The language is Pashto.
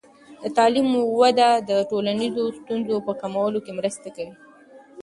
د تعلیم وده د ټولنیزو ستونزو په کمولو کې مرسته کوي.